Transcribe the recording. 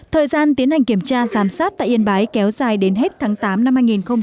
thời gian tiến hành kiểm tra giám sát tại yên bái kéo dài đến hết tháng tám năm hai nghìn hai mươi